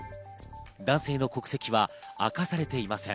男性の国籍は明かされていません。